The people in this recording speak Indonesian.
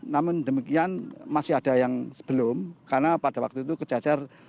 namun demikian masih ada yang sebelum karena pada waktu itu kejajar